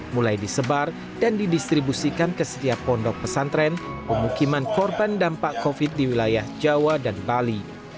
mulai disebar dan didistribusikan ke setiap pondok pesantren pemukiman korban dampak covid di wilayah jawa dan bali